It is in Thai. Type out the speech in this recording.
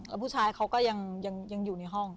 แล้วผู้ชายเขาก็ยังอยู่ในห้อง